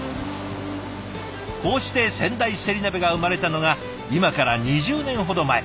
こうして仙台せり鍋が生まれたのが今から２０年ほど前。